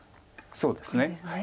そうですね。